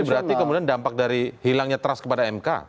berarti kemudian dampak dari hilangnya trust kepada mk